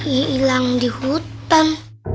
hilang di hutan